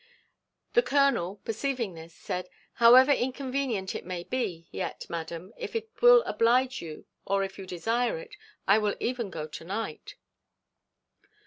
The colonel, perceiving this, said, "However inconvenient it may be, yet, madam, if it will oblige you, or if you desire it, I will even go to night."